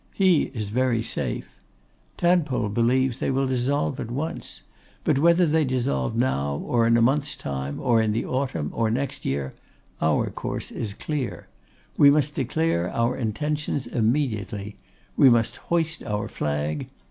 He is very safe. Tadpole believes they will dissolve at once. But whether they dissolve now, or in a month's time, or in the autumn, or next year, our course is clear. We must declare our intentions immediately. We must hoist our flag.